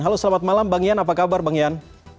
halo selamat malam bang ian apa kabar bang ian